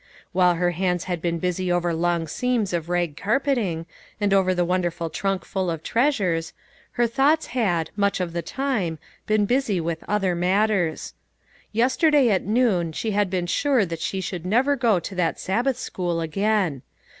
While her hands had been busy over long seams of rag carpeting, and over the won derful trunk full of treasures, her thoughts had, much of the time, been busy with other matters. Yesterday at noon she had been sure that she should never go to that Sabbath school again.